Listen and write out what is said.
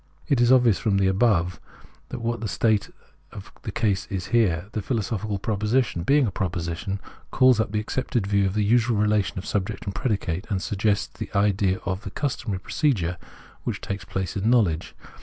It is obvious from the above what is the state of the case here. The philo sophical proposition, being a proposition, calls up the Preface 63 accepted view of the usual relation of subject and predicate, and suggests the idea of the customary pro cedure which takes place in knowledge.